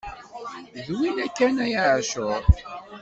D winna kan a ɛacur!